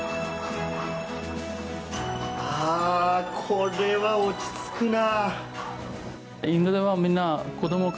これは落ち着くな。